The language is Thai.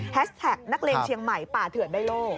แท็กนักเรียนเชียงใหม่ป่าเถื่อนไดโล่